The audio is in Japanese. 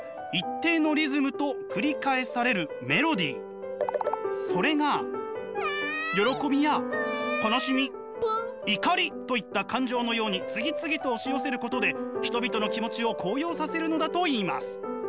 アランによればそれが喜びや悲しみ怒りといった感情のように次々と押し寄せることで人々の気持ちを高揚させるのだといいます。